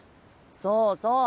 そうそう。